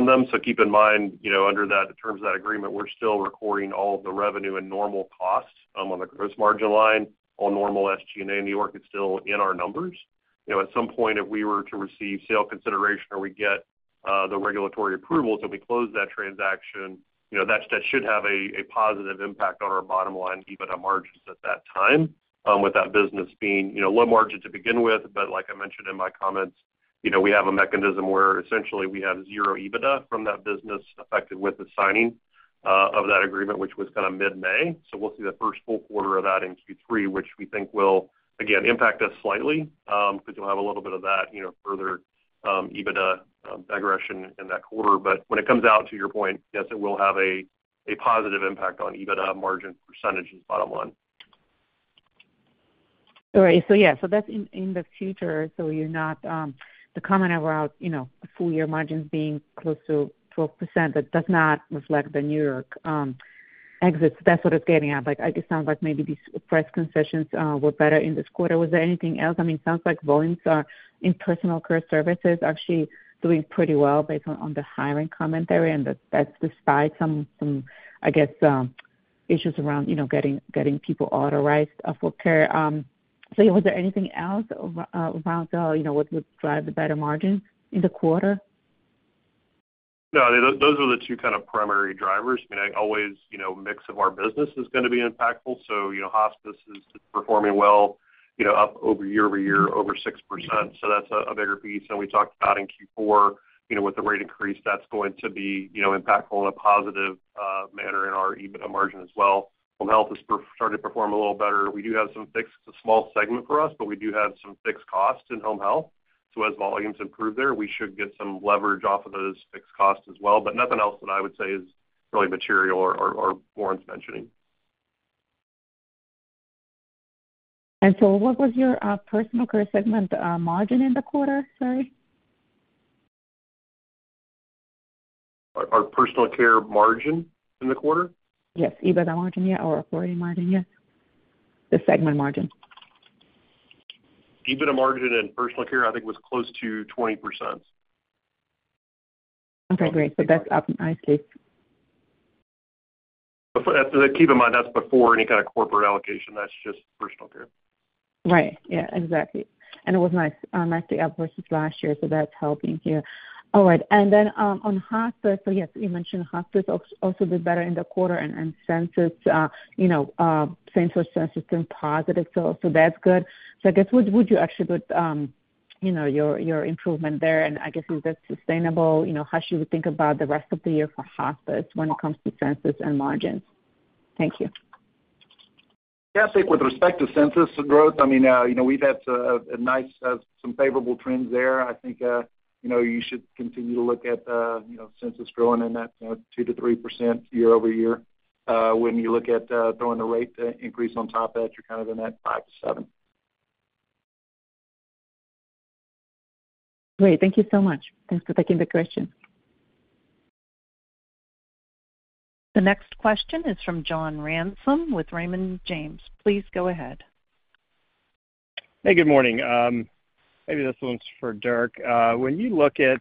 them. So keep in mind, you know, under that, the terms of that agreement, we're still recording all of the revenue and normal costs on the gross margin line, all normal SG&A, New York is still in our numbers. You know, at some point, if we were to receive sale consideration or we get the regulatory approvals and we close that transaction, you know, that should have a positive impact on our bottom line, EBITDA margins at that time, with that business being, you know, low margin to begin with. But like I mentioned in my comments, you know, we have a mechanism where essentially we have zero EBITDA from that business affected with the signing of that agreement, which was kind of mid-May. So we'll see the first full quarter of that in Q3, which we think will again impact us slightly, because you'll have a little bit of that, you know, further EBITDA aggression in that quarter. But when it comes out, to your point, yes, it will have a positive impact on EBITDA margin percentage and bottom line. All right. So yeah, so that's in the future. So you're not the comment about, you know, the full year margins being close to 12%, that does not reflect the New York exits. That's what I was getting at. Like, I just sound like maybe these price concessions were better in this quarter. Was there anything else? I mean, it sounds like volumes are in personal care services actually doing pretty well based on the hiring commentary, and that's despite some issues around, you know, getting people authorized for care. So was there anything else around what would drive the better margin in the quarter? No, those, those are the two kind of primary drivers. I mean, always, you know, mix of our business is going to be impactful. So, you know, hospice is performing well, you know, up over year-over-year, over 6%. So that's a, a bigger piece. And we talked about in Q4, you know, with the rate increase, that's going to be, you know, impactful in a positive manner in our EBITDA margin as well. Home health is starting to perform a little better. We do have some fixed, it's a small segment for us, but we do have some fixed costs in home health. So as volumes improve there, we should get some leverage off of those fixed costs as well. But nothing else that I would say is really material or, or, or warrants mentioning. What was your personal care segment margin in the quarter, sorry? Our personal care margin in the quarter? Yes, EBITDA margin, yeah, or operating margin, yeah. The segment margin. EBITDA margin in personal care, I think, was close to 20%. Okay, great. So that's up. I see. Keep in mind, that's before any kind of corporate allocation. That's just personal care. Right. Yeah, exactly. And it was nice, nicely up versus last year, so that's helping here. All right. And then, on hospice, so yes, you mentioned hospice also did better in the quarter, and census, you know, same for census being positive, so that's good. So I guess, would you actually put, you know, your improvement there, and I guess, is that sustainable? You know, how should we think about the rest of the year for hospice when it comes to census and margins? Thank you. Yeah, I think with respect to census growth, I mean, you know, we've had a nice, some favorable trends there. I think, you know, you should continue to look at, you know, census growing in that, you know, 2%-3% year-over-year. When you look at throwing the rate increase on top of that, you're kind of in that 5%-7%. Great. Thank you so much. Thanks for taking the question. The next question is from John Ransom with Raymond James. Please go ahead. Hey, good morning. Maybe this one's for Dirk. When you look at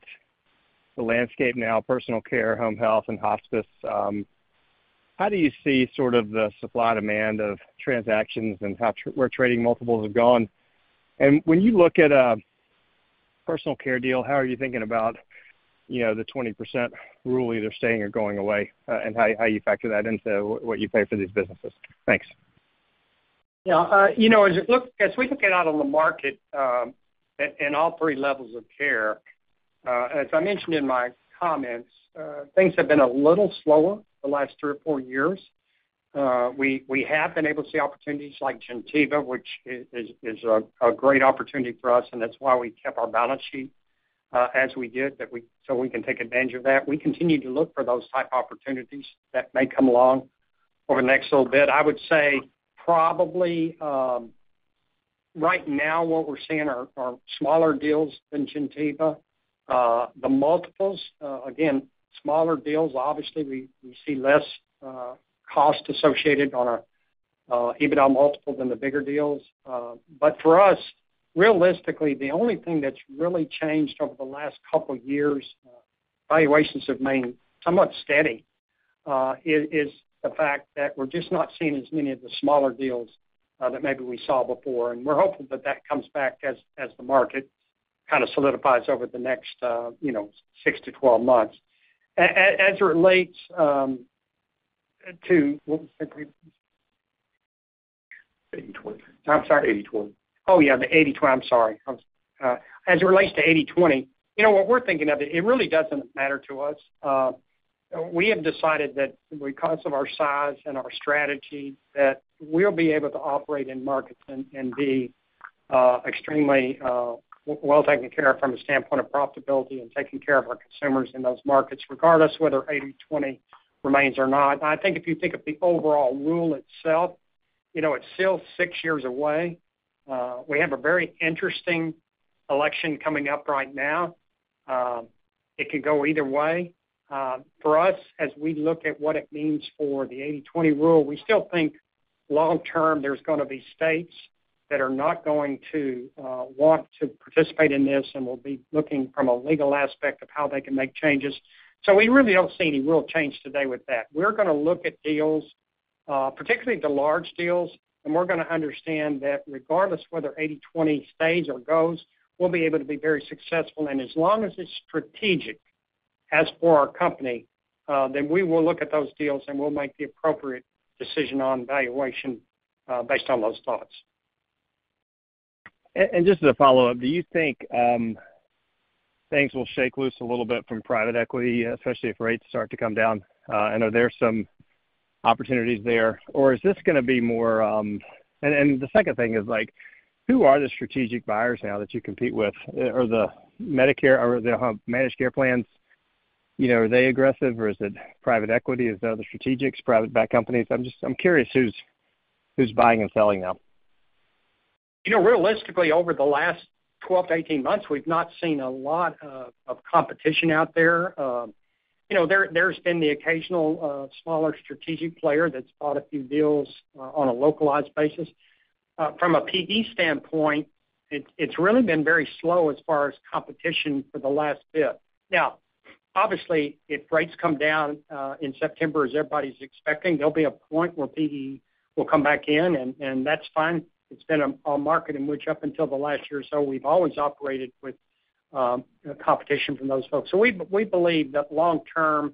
the landscape now, personal care, home health, and hospice, how do you see sort of the supply-demand of transactions and how, where trading multiples have gone? And when you look at a personal care deal, how are you thinking about, you know, the 20% rule either staying or going away, and how you factor that into what you pay for these businesses? Thanks. Yeah, you know, as we look out on the market, in all three levels of care, as I mentioned in my comments, things have been a little slower the last three or four years. We have been able to see opportunities like Gentiva, which is a great opportunity for us, and that's why we kept our balance sheet, as we did, so we can take advantage of that. We continue to look for those type of opportunities that may come along over the next little bit. I would say probably, right now, what we're seeing are smaller deals than Gentiva. The multiples, again, smaller deals, obviously, we see less cost associated on our EBITDA multiple than the bigger deals. But for us, realistically, the only thing that's really changed over the last couple of years, valuations have remained somewhat steady, is the fact that we're just not seeing as many of the smaller deals that maybe we saw before, and we're hoping that that comes back as the market kind of solidifies over the next, you know, 6-12 months. As it relates to, what was the question? Eighty-twenty. I'm sorry? Eighty-twenty. Oh, yeah, the 80/20. I'm sorry. As it relates to 80/20, you know, what we're thinking of it, it really doesn't matter to us. We have decided that because of our size and our strategy, that we'll be able to operate in markets and be extremely well taken care of from a standpoint of profitability and taking care of our consumers in those markets, regardless whether 80/20 remains or not. I think if you think of the overall rule itself, you know, it's still six years away. We have a very interesting election coming up right now. It could go either way. For us, as we look at what it means for the 80/20 rule, we still think long term, there's gonna be states that are not going to want to participate in this and will be looking from a legal aspect of how they can make changes. So we really don't see any real change today with that. We're gonna look at deals, particularly the large deals, and we're gonna understand that regardless whether 80/20 stays or goes, we'll be able to be very successful. And as long as it's strategic, as for our company, then we will look at those deals, and we'll make the appropriate decision on valuation, based on those thoughts. And just as a follow-up, do you think things will shake loose a little bit from private equity, especially if rates start to come down? And are there some opportunities there, or is this gonna be more... And the second thing is, like, who are the strategic buyers now that you compete with? Are the Medicare or the managed care plans, you know, are they aggressive, or is it private equity? Is the other strategics, private-backed companies? I'm just—I'm curious, who's, who's buying and selling now? You know, realistically, over the last 12-18 months, we've not seen a lot of competition out there. You know, there's been the occasional smaller strategic player that's bought a few deals on a localized basis. From a PE standpoint, it's really been very slow as far as competition for the last bit. Now, obviously, if rates come down in September, as everybody's expecting, there'll be a point where PE will come back in, and that's fine. It's been a market in which, up until the last year or so, we've always operated with competition from those folks. So we believe that long term,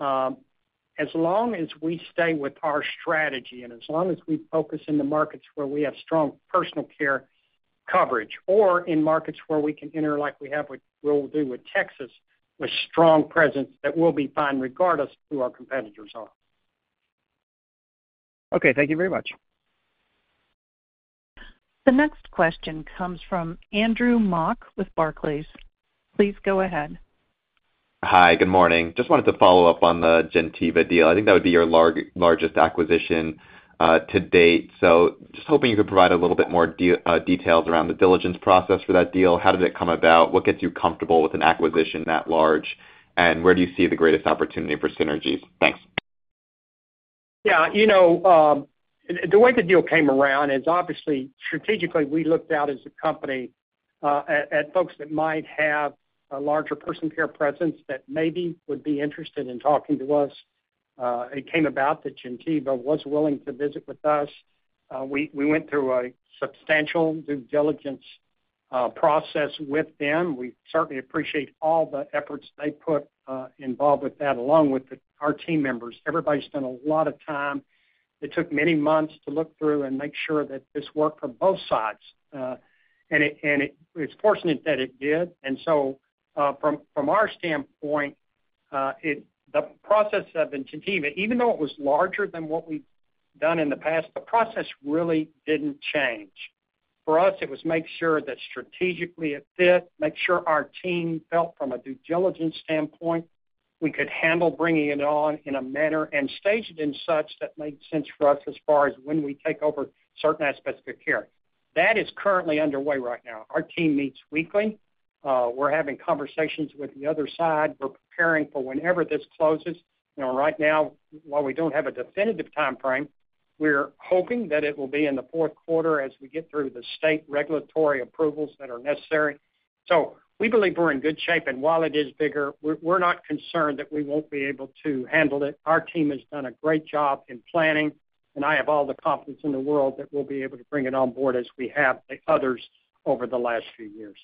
as long as we stay with our strategy and as long as we focus in the markets where we have strong personal care coverage, or in markets where we can enter, like we have with, we'll do with Texas, with strong presence, that we'll be fine regardless who our competitors are. Okay. Thank you very much. The next question comes from Andrew Mok with Barclays. Please go ahead. Hi, good morning. Just wanted to follow up on the Gentiva deal. I think that would be your largest acquisition to date. So just hoping you could provide a little bit more details around the diligence process for that deal. How did it come about? What gets you comfortable with an acquisition that large? And where do you see the greatest opportunity for synergies? Thanks. Yeah, you know, the way the deal came around is obviously, strategically, we looked out as a company at folks that might have a larger personal care presence that maybe would be interested in talking to us. It came about that Gentiva was willing to visit with us. We went through a substantial due diligence process with them. We certainly appreciate all the efforts they put involved with that, along with our team members. Everybody spent a lot of time. It took many months to look through and make sure that this worked for both sides. And it's fortunate that it did. And so, from our standpoint, it, the process of Gentiva, even though it was larger than what we've done in the past, the process really didn't change. For us, it was make sure that strategically it fit, make sure our team felt from a due diligence standpoint, we could handle bringing it on in a manner, and staged in such that made sense for us as far as when we take over certain aspects of care. That is currently underway right now. Our team meets weekly. We're having conversations with the other side. We're preparing for whenever this closes. You know, right now, while we don't have a definitive timeframe, we're hoping that it will be in the fourth quarter as we get through the state regulatory approvals that are necessary. So we believe we're in good shape, and while it is bigger, we're not concerned that we won't be able to handle it. Our team has done a great job in planning, and I have all the confidence in the world that we'll be able to bring it on board as we have the others over the last few years.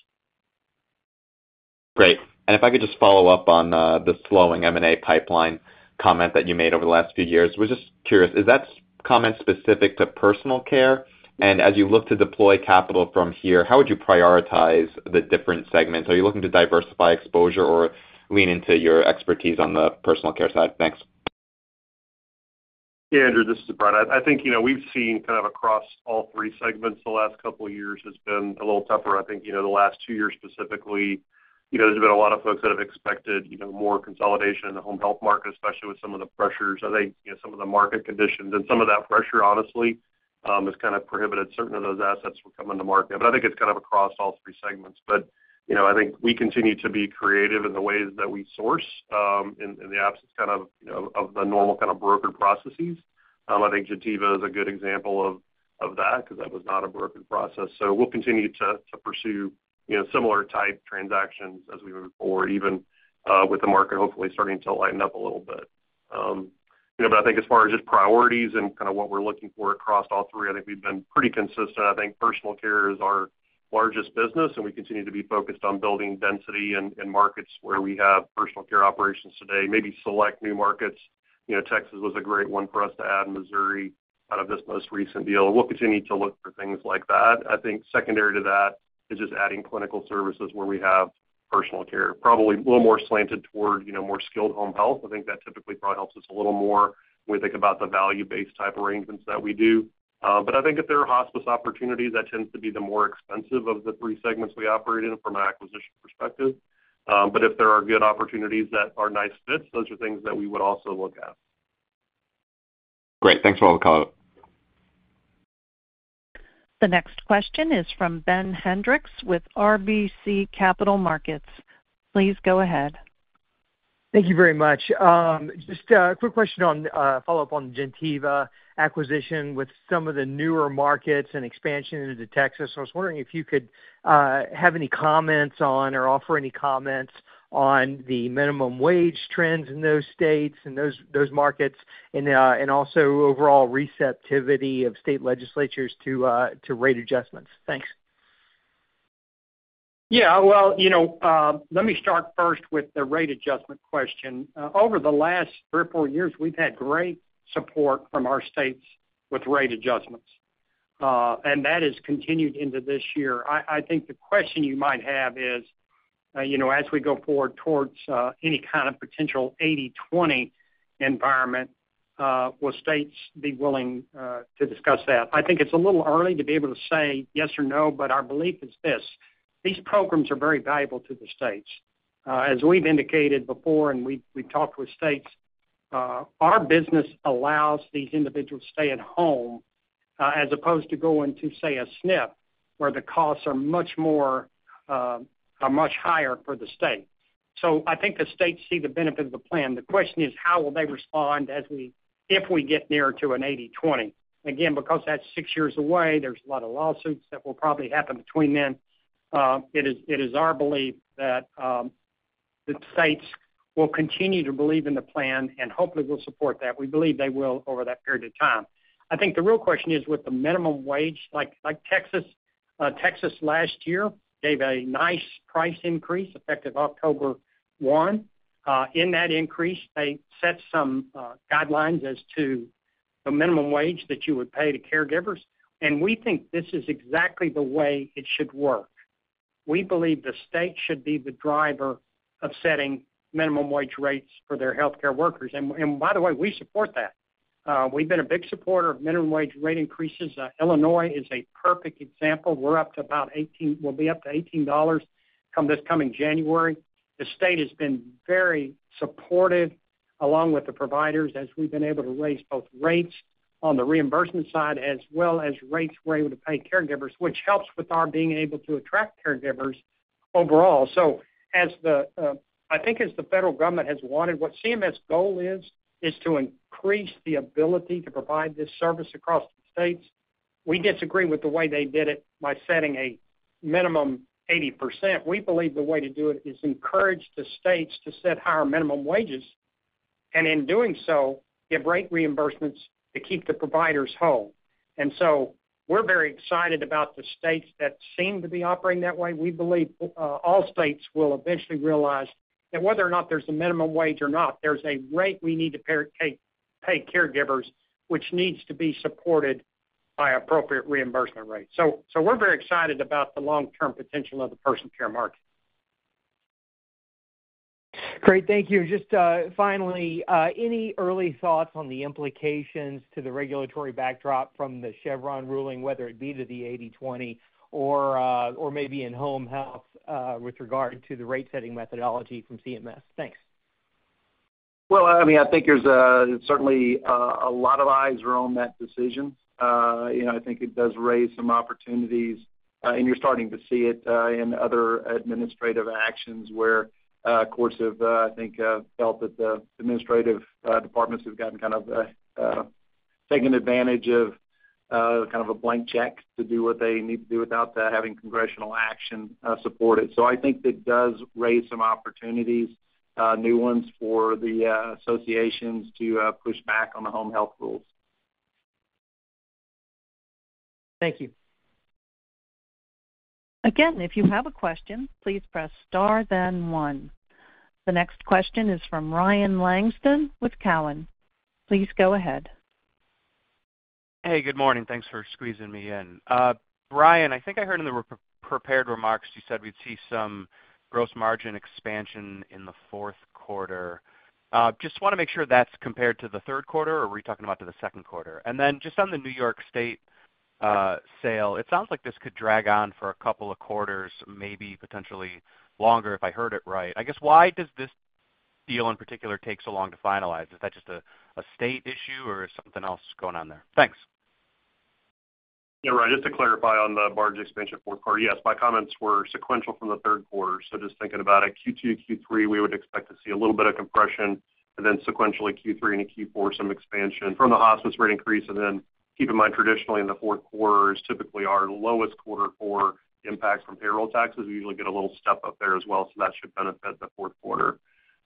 Great. And if I could just follow up on the slowing M&A pipeline comment that you made over the last few years. We're just curious, is that comment specific to personal care? And as you look to deploy capital from here, how would you prioritize the different segments? Are you looking to diversify exposure or lean into your expertise on the personal care side? Thanks. Yeah, Andrew, this is Brad. I think, you know, we've seen kind of across all three segments the last couple of years has been a little tougher. I think, you know, the last two years specifically, you know, there's been a lot of folks that have expected, you know, more consolidation in the home health market, especially with some of the pressures. I think, you know, some of the market conditions and some of that pressure, honestly-... has kind of prohibited certain of those assets from coming to market, but I think it's kind of across all three segments. But, you know, I think we continue to be creative in the ways that we source, in the absence kind of, you know, of the normal kind of brokered processes. I think Gentiva is a good example of that, because that was not a brokered process. So we'll continue to pursue, you know, similar type transactions as we move forward, even with the market hopefully starting to lighten up a little bit. You know, but I think as far as just priorities and kind of what we're looking for across all three, I think we've been pretty consistent. I think personal care is our largest business, and we continue to be focused on building density in markets where we have personal care operations today, maybe select new markets. You know, Texas was a great one for us to add, Missouri, out of this most recent deal. We'll continue to look for things like that. I think secondary to that is just adding clinical services where we have personal care, probably a little more slanted toward, you know, more skilled home health. I think that typically probably helps us a little more when we think about the value-based type arrangements that we do. But I think if there are hospice opportunities, that tends to be the more expensive of the three segments we operate in from an acquisition perspective. But if there are good opportunities that are nice fits, those are things that we would also look at. Great, thanks for all the call. The next question is from Ben Hendricks with RBC Capital Markets. Please go ahead. Thank you very much. Just a quick question on follow-up on the Gentiva acquisition. With some of the newer markets and expansion into Texas, I was wondering if you could have any comments on or offer any comments on the minimum wage trends in those states and those markets, and also overall receptivity of state legislatures to rate adjustments. Thanks. Yeah, well, you know, let me start first with the rate adjustment question. Over the last three or four years, we've had great support from our states with rate adjustments, and that has continued into this year. I think the question you might have is, you know, as we go forward towards, any kind of potential 80/20 environment, will states be willing, to discuss that? I think it's a little early to be able to say yes or no, but our belief is this: these programs are very valuable to the states. As we've indicated before, and we've talked with states, our business allows these individuals to stay at home, as opposed to going to, say, a SNF, where the costs are much more, are much higher for the state. So I think the states see the benefit of the plan. The question is, how will they respond as we—if we get nearer to an 80/20? Again, because that's 6 years away, there's a lot of lawsuits that will probably happen between then. It is, it is our belief that, the states will continue to believe in the plan and hopefully will support that. We believe they will over that period of time. I think the real question is, with the minimum wage, like, like Texas, Texas last year gave a nice price increase, effective October 1. In that increase, they set some, guidelines as to the minimum wage that you would pay to caregivers, and we think this is exactly the way it should work. We believe the state should be the driver of setting minimum wage rates for their healthcare workers. By the way, we support that. We've been a big supporter of minimum wage rate increases. Illinois is a perfect example. We're up to about 18-- we'll be up to $18 come this coming January. The state has been very supportive, along with the providers, as we've been able to raise both rates on the reimbursement side, as well as rates we're able to pay caregivers, which helps with our being able to attract caregivers overall. So as the, I think as the federal government has wanted, what CMS goal is, is to increase the ability to provide this service across the states. We disagree with the way they did it by setting a minimum 80%. We believe the way to do it is encourage the states to set higher minimum wages, and in doing so, give rate reimbursements to keep the providers whole. And so we're very excited about the states that seem to be operating that way. We believe, all states will eventually realize that whether or not there's a minimum wage or not, there's a rate we need to pay, pay caregivers, which needs to be supported by appropriate reimbursement rates. So, so we're very excited about the long-term potential of the personal care market. Great, thank you. Just, finally, any early thoughts on the implications to the regulatory backdrop from the Chevron ruling, whether it be to the 80/20 or, or maybe in home health, with regard to the rate-setting methodology from CMS? Thanks. Well, I mean, I think there's certainly a lot of eyes are on that decision. You know, I think it does raise some opportunities, and you're starting to see it, in other administrative actions where, courts have, I think, felt that the administrative, departments have gotten kind of, taken advantage of, kind of a blank check to do what they need to do without having congressional action, support it. So I think it does raise some opportunities, new ones for the, associations to, push back on the home health rules. Thank you. Again, if you have a question, please press star, then one. The next question is from Ryan Langston with Cowen. Please go ahead. Hey, good morning. Thanks for squeezing me in. Brian, I think I heard in the pre-prepared remarks you said we'd see some gross margin expansion in the fourth quarter. Just want to make sure that's compared to the third quarter, or were we talking about to the second quarter? And then just on the New York State sale, it sounds like this could drag on for a couple of quarters, maybe potentially longer, if I heard it right. I guess, why does this deal in particular take so long to finalize? Is that just a state issue or is something else going on there? Thanks. Yeah, Ryan, just to clarify on the margin expansion fourth quarter, yes, my comments were sequential from the third quarter. So just thinking about it, Q2, Q3, we would expect to see a little bit of compression, and then sequentially, Q3 into Q4, some expansion from the hospice rate increase. And then keep in mind, traditionally in the fourth quarter is typically our lowest quarter for impact from payroll taxes. We usually get a little step up there as well, so that should benefit the fourth quarter.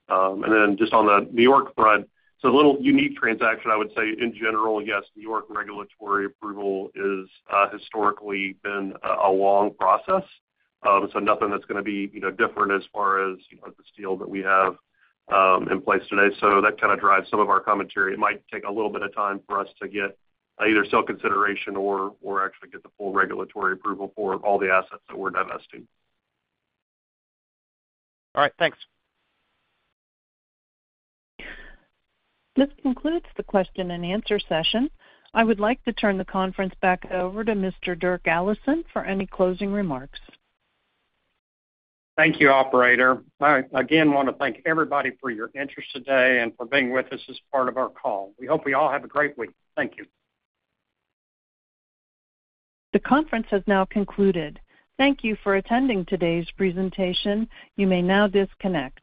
And then just on the New York front, it's a little unique transaction. I would say in general, yes, New York regulatory approval is historically been a long process. So nothing that's going to be, you know, different as far as, you know, this deal that we have in place today. So that kind of drives some of our commentary. It might take a little bit of time for us to get, either sale consideration or, or actually get the full regulatory approval for all the assets that we're divesting. All right, thanks. This concludes the question and answer session. I would like to turn the conference back over to Mr. Dirk Allison for any closing remarks. Thank you, operator. I again want to thank everybody for your interest today and for being with us as part of our call. We hope you all have a great week. Thank you. The conference has now concluded. Thank you for attending today's presentation. You may now disconnect.